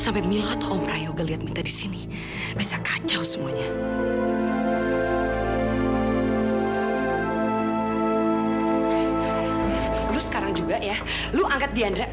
sampai jumpa di video selanjutnya